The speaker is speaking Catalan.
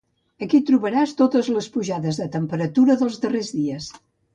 Aquí trobaràs totes les pujades de temperatura dels darrers dies.